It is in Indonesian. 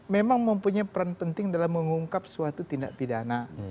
memang mempunyai peran penting dalam mengungkap suatu tindak pidana